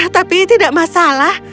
tapi tidak masalah